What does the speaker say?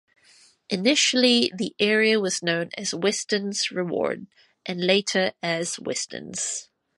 Initially the area was known as "Weston's Reward" and later as "Westons".